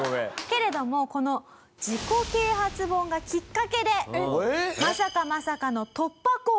けれどもこの自己啓発本がきっかけでまさかまさかの突破口を切り開く事になるんです。